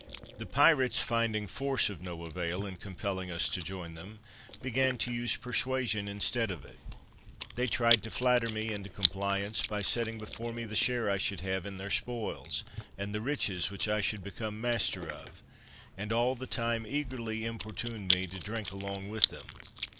The pirates finding force of no avail in compelling us to join them, began to use persuasion instead of it. They tried to flatter me into compliance, by setting before me the share I should have in their spoils, and the riches which I should become master of; and all the time eagerly importuned me to drink along with them.